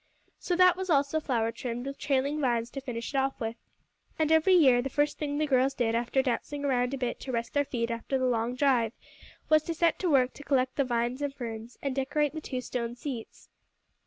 So that was also flower trimmed, with trailing vines to finish it off with. And every year, the first thing the girls did after dancing around a bit to rest their feet after the long drive, was to set to work to collect the vines and ferns, and decorate the two stone seats.